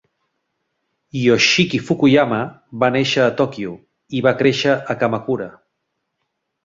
Yoshiki Fukuyama va néixer a Tòquio i va créixer a Kamakura.